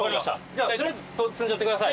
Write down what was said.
じゃあとりあえず積んじゃってください。